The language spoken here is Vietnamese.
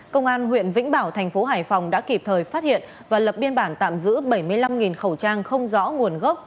công an huyện vĩnh bảo thành phố hải phòng đã kịp thời phát hiện và lập biên bản tạm giữ bảy mươi năm khẩu trang không rõ nguồn gốc